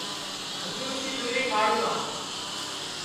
ہوں بھی اُس کی جُھگلی پھاڑوں گا